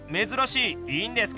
いいんですか？